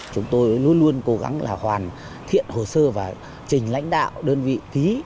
chúng tôi luôn luôn cố gắng là hoàn thiện hồ sơ và trình lãnh đạo đơn vị ký